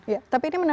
ya tapi ini menarik ya